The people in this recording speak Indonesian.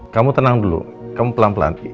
kamu tenang dulu kamu pelan pelan